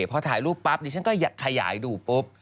พอถ่ายรูปปั๊บดิฉันก็อยากขยายดูปุ๊บ